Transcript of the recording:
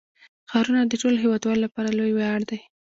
ښارونه د ټولو هیوادوالو لپاره لوی ویاړ دی.